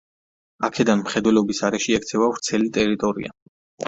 აქედან მხედველობის არეში ექცევა ვრცელი ტერიტორია.